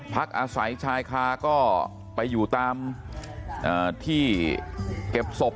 พักอาศัยชายคาก็ไปอยู่ตามที่เก็บศพ